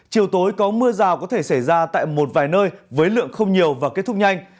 chiều tối có mưa rào có thể xảy ra tại một vài nơi với lượng không nhiều và kết thúc nhanh